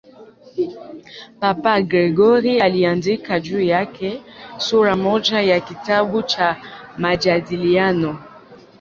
Papa Gregori I aliandika juu yake sura moja ya kitabu cha "Majadiliano".